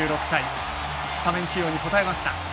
スタメン起用に応えました。